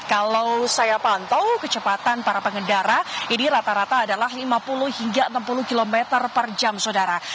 kalau saya pantau kecepatan para pengendara ini rata rata adalah lima puluh hingga enam puluh km per jam saudara